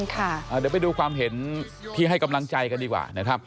เดี๋ยวไปดูความเห็นที่ให้กำลังใจกันดีกว่านะครับ